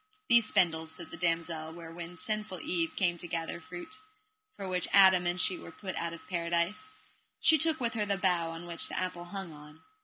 These spindles, said the damosel, were when sinful Eve came to gather fruit, for which Adam and she were put out of paradise, she took with her the bough on which the apple hung on.